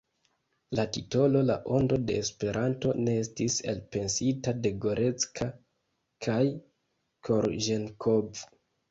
La titolo La Ondo de Esperanto ne estis elpensita de Gorecka kaj Korĵenkov.